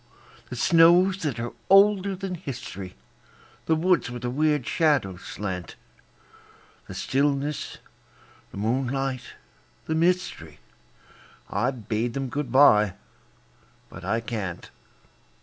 The snows that are older than history, The woods where the weird shadows slant; The stillness, the moonlight, the mystery, I've bade 'em good by but I can't.